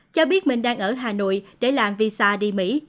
cho biết mình đang ở hà nội để làm visa đi mỹ